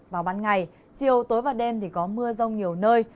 vào ban ngày chiều tối và đêm thì có mưa rông nhiều nơi